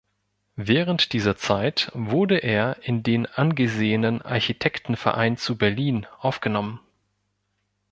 Während dieser Zeit wurde er in den angesehenen "Architekten-Verein zu Berlin" aufgenommen.